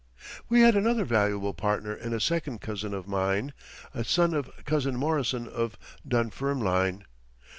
We had another valuable partner in a second cousin of mine, a son of Cousin Morrison of Dunfermline.